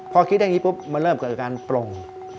พอคิดอย่างนี้ปุ๊บมันเริ่มเกิดการปลง